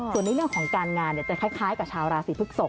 ส่วนในเรื่องของการงานจะคล้ายกับชาวราศีพฤกษก